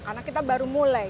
karena kita baru mulai